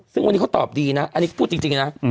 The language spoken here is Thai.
ซึ่งวันนี้เขาตอบดีนะอันนี้พูดจริงนะ